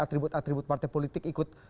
atribut atribut partai politik ikut